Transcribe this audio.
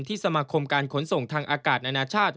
สมาคมการขนส่งทางอากาศนานาชาติ